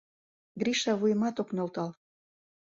Гриша вуйымат ок нӧлтал.